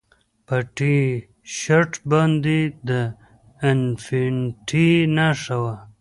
په ټي شرټ باندې د انفینټي نښه وه